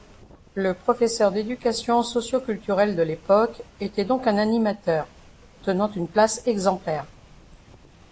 Le professeur d'éducation socioculturelle de l’époque était donc un animateur, tenant une place exemplaire.